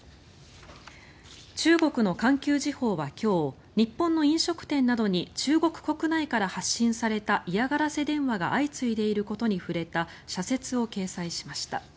中国の環球時報は今日日本の飲食店などに中国国内から発信された嫌がらせ電話が相次いでいることに触れた社説を掲載しました。